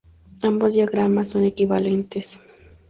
Ambos diagramas son equivalentes.